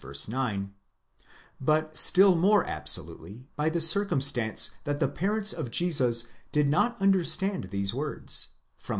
9), but still more abso lutely by the circumstance that the parents of Jesus did not understand these words (v.